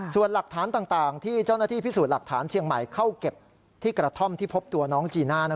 ส่วนหลักฐานต่าง